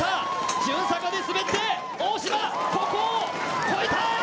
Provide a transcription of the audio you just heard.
順逆で滑って、ここを越えた！